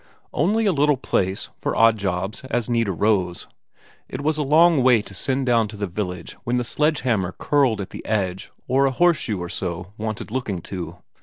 Only a little place, for odd jobs as need arose; it was a long way to send down to the village when the sledge hammer curled at the edges or a horseshoe or so wanted looking to.